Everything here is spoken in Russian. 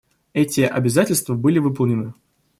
Эти обязательства были выполнены.